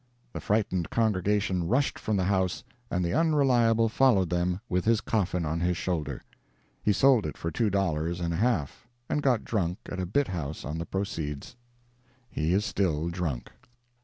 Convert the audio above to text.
The frightened congregation rushed from the house, and the Unreliable followed them, with his coffin on his shoulder. He sold it for two dollars and a half, and got drunk at a "bit house" on the proceeds. He is still drunk.